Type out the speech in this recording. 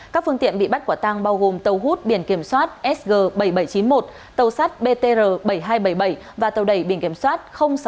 các phương tiện bị bắt quả tang bao gồm tàu hút biển kiểm soát sg bảy nghìn bảy trăm chín mươi một tàu sát btr bảy nghìn hai trăm bảy mươi bảy và tàu đẩy biển kiểm soát sáu nghìn bốn trăm sáu mươi bảy